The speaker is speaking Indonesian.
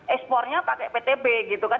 ekspornya pakai ptb gitu kan